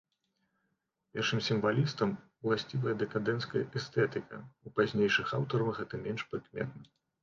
Першым сімвалістам уласцівая дэкадэнцкая эстэтыка, у пазнейшых аўтараў гэта менш прыкметна.